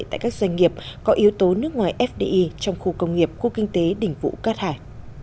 tại các doanh nghiệp có yếu tố nước ngoài fdi trong khu công nghiệp của kinh tế đỉnh vũ cát hải